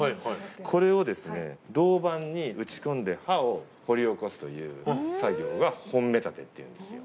これを銅板に打ち込んで刃を掘り起こすという作業が本目立てっていうんですよ。